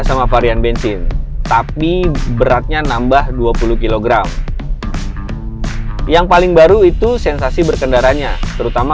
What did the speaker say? sama varian bensin tapi beratnya nambah dua puluh kg yang paling baru itu sensasi berkendaranya terutama